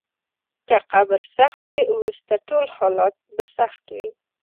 که قبر سخت وي، وروسته ټول حالات به سخت وي.